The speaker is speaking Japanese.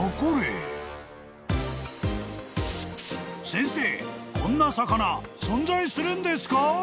［先生こんな魚存在するんですか？］